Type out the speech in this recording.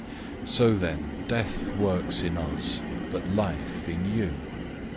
004:012 So then death works in us, but life in you.